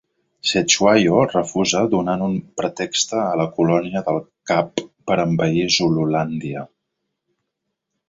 Cetshwayo refusa, donant un pretexte a la Colònia del Cap per envair Zululàndia.